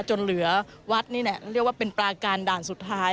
จนเหลือวัดนี่แหละเรียกว่าเป็นปลาการด่านสุดท้าย